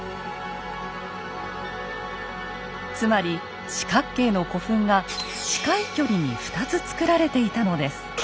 つまり四角形の古墳が近い距離に２つつくられていたのです。